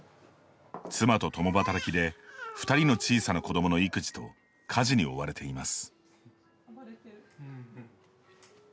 妻と共働きで２人の小さな子どもの育児と家事に追われています。